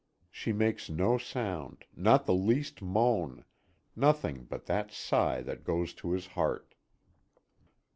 She makes no sound, not the least moan, nothing but that sigh that goes to his heart.